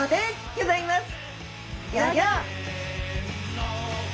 ギョギョッ！